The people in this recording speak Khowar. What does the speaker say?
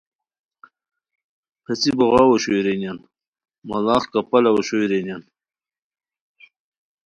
پیڅھی بوغاؤ اوشوئے رینیان، ماڑاغ کپالہ اوشوئے رینیان